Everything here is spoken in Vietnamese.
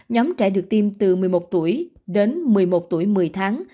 nhóm trẻ được tiêm từ một mươi một tuổi đến một mươi một tuổi một mươi tháng